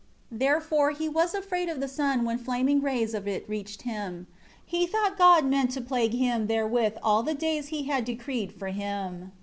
8 Therefore he was afraid of the sun when flaming rays of it reached him. He thought God meant to plague him therewith all the days He had decreed for him.